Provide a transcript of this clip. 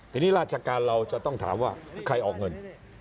ทีนี้ราชการเราจะต้องถามว่าใครออกเงิน